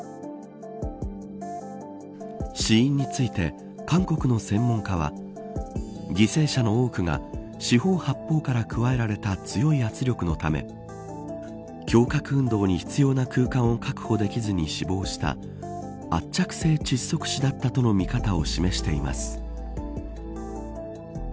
死因について韓国の専門家は犠牲者の多くが四方八方から加えられた強い圧力のため胸郭運動に必要な空間を確保できずに死亡した圧着性窒息死だったとの見方を示しています。